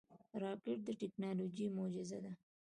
راکټ د ټکنالوژۍ معجزه ده